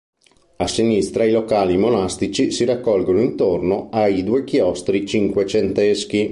A sinistra i locali monastici si raccolgono intorno ai due chiostri cinquecenteschi.